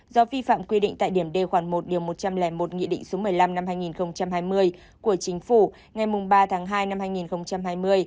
do vi phạm quy định tại điểm d khoản một điều một trăm linh một nghị định số một mươi năm năm hai nghìn hai mươi của chính phủ ngày ba tháng hai năm hai nghìn hai mươi